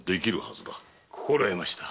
心得ました。